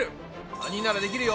３人ならできるよ！